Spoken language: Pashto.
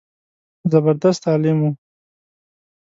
زبردست عالم و.